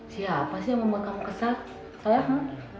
siapa sih yang membuat kamu kesal saya